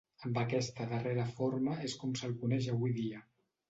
Amb aquesta darrera forma és com se'l coneix avui dia.